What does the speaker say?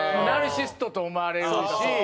ナルシストと思われるし。